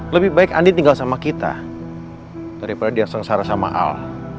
lebih baik andi tinggal sama kita daripada dia sengsara sama al